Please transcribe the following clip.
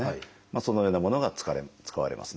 そのようなものが使われますね。